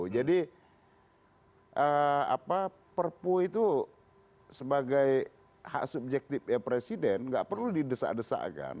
jadi perpu itu sebagai hak subjektif presiden tidak perlu didesa desa akan